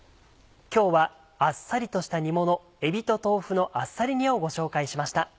今日はあっさりとした煮物「えびと豆腐のあっさり煮」をご紹介しました。